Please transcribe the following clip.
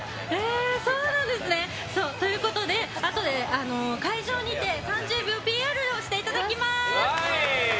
ということであとで会場にて３０秒ＰＲをしていただきます。